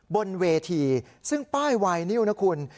บนเวทีซึ่งป้ายไวนิวนะคุณ